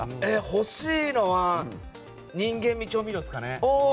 欲しいのは人間味調味料ですかね。